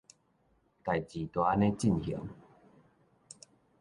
代誌就按呢進行